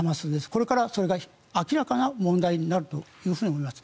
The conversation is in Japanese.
これからそれが明らかな問題になると思います。